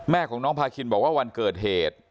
แม่ของน้องพาคินบอกว่าวันเกิดเหตุ